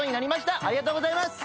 ありがとうございます。